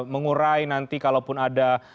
mengurai nanti kalaupun ada